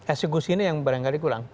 eksekusi ini yang barangkali kurang